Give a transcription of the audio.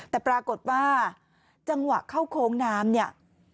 แต่ปรากฏว่าจังหวะเข้าโค้งน้ำเนี่ย